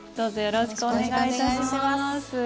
よろしくお願いします。